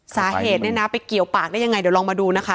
สาเหตุเนี่ยนะไปเกี่ยวปากได้ยังไงเดี๋ยวลองมาดูนะคะ